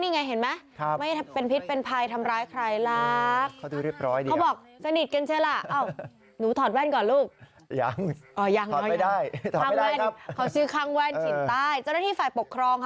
ยังถอดไม่ได้ถอดไม่ได้ครับของชื่อคังแว่นถิ่นใต้จ้านที่ฝ่ายปกครอง